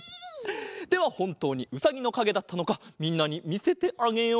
ではほんとうにうさぎのかげだったのかみんなにみせてあげよう。